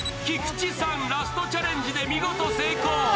菊池さんラストチャレンジで見事成功。